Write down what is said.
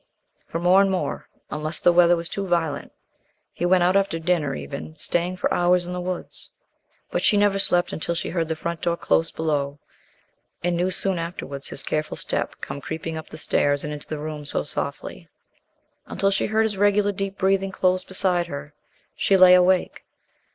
Fore more and more, unless the weather was too violent, he went out after dinner even, staying for hours in the woods. But she never slept until she heard the front door close below, and knew soon afterwards his careful step come creeping up the stairs and into the room so softly. Until she heard his regular deep breathing close beside her, she lay awake.